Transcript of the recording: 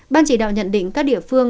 ban chỉ đạo nhận định các địa phương